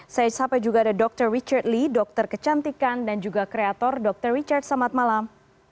saya sampai juga ada dr richard lee dokter kecantikan dan juga kreator dr richard selamat malam